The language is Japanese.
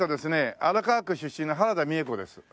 荒川区出身の原田美枝子です。